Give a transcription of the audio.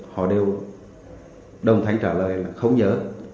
họ đều đồng thánh trả lời là không nhớ